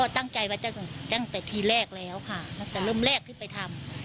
ตั้งใจไว้ตั้งแต่ทีแรกแล้วค่ะตั้งแต่เริ่มแรกที่ไปทำ